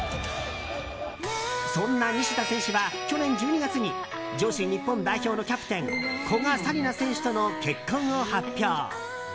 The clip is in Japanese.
そんな西田選手は去年１２月に女子日本代表のキャプテン古賀紗理那選手との結婚を発表。